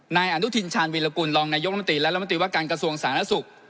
นายอนุทินชาญวิรากุลรองนายกรรมตรีและรัฐมนตรีว่าการกระทรวงสาธารณสุข